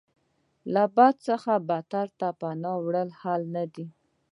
له بد څخه بدتر ته پناه وړل حل نه دی.